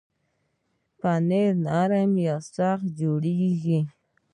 پنېر نرم یا سخت جوړېږي.